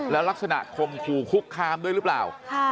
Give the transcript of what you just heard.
แล้วลักษณะคมคู่คุกคามด้วยหรือเปล่า